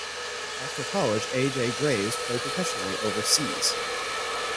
After college A. J. Graves played professionally overseas.